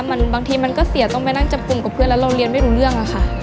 บางทีมันก็เสียต้องไปนั่งจับกลุ่มกับเพื่อนแล้วเราเรียนไม่รู้เรื่องอะค่ะ